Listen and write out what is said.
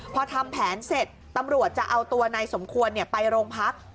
พอทำแผนเสร็จตำรวจจะเอาตัวนายสมควรไปโรงพัก